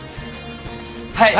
はい！